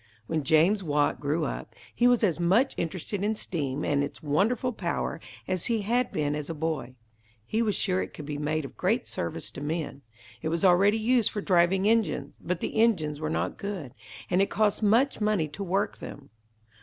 When James Watt grew up, he was as much interested in steam and its wonderful power, as he had been as a boy. He was sure it could be made of great service to men. It was already used for driving engines, but the engines were not good, and it cost much money to work them.